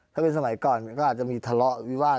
ถ้าเป็นสมัยก่อนก็อาจจะมีทะเลาะวิวาส